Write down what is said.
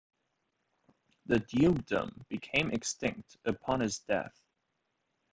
The dukedom became extinct upon his death.